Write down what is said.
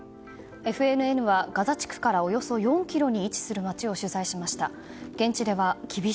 ＦＮＮはガザ地区からおよそ４ｋｍに位置する街を取材しました。